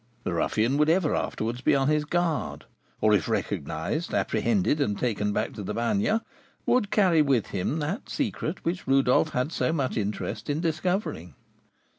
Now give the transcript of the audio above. The ruffian would ever afterwards be on his guard, or if recognised, apprehended, and taken back to the Bagne, would carry with him that secret which Rodolph had so much interest in discovering.